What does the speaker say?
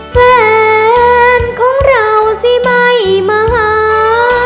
แฟนของเราสิไม่มาหา